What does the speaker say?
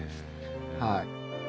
はい。